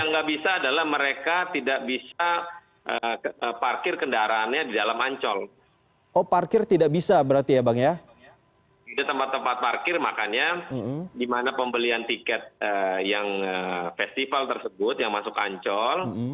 yang tidak bisa adalah mereka tidak bisa parkir kendaraannya di dalam ancol